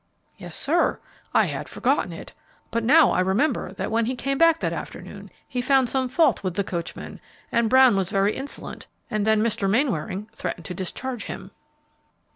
"Yes, sir; I had forgotten it; but now I remember that when he came back that afternoon, he found some fault with the coachman, and Brown was very insolent, and then Mr. Mainwaring threatened to discharge him."